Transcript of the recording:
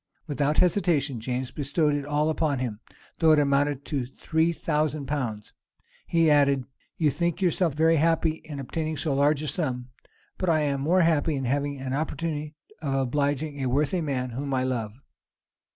Without hesitation, James bestowed it all upon him, though it amounted to three thousand pounds. He added, "You think yourself very happy in obtaining so large a sum; but I am more happy in having an opportunity of obliging a worthy man, whom I love."